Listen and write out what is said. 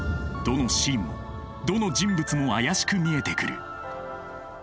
どのシーンもどの人物も怪しく見えてくる。